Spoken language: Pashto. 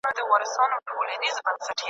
بدترین حالت شاید دومره بد نه وي.